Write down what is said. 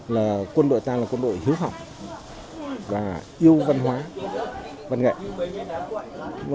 là quân đội ta là quân đội hiếu học và yêu văn hóa văn nghệ